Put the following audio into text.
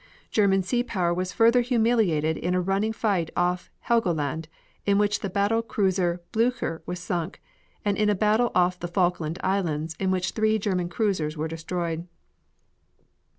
German sea power was further humiliated in a running fight off Helgoland in which the battle cruiser Blucher was sunk and in a battle off the Falkland Islands in which three German cruisers were destroyed.